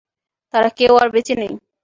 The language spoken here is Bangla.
তারা কেউ আর বেঁচে নেই!